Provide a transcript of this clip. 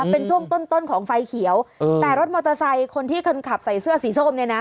เป็นช่วงต้นต้นของไฟเขียวแต่รถมอเตอร์ไซค์คนที่คนขับใส่เสื้อสีส้มเนี่ยนะ